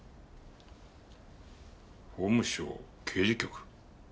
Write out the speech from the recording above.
「法務省刑事局」？